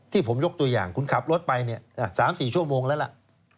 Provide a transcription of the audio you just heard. ผมยกตัวอย่างคุณขับรถไป๓๔ชั่วโมงแล้วล่ะ